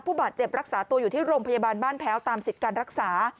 ผู้บาดเจ็บรักษาตัวอยู่ที่โรงพยาบาลบ้านแพ้วตามสิทธิ์การรักษา